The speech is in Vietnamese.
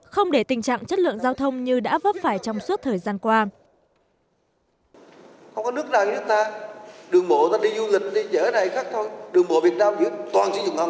không để tình trạng chất lượng giao thông như đã vấp phải trong suốt thời gian qua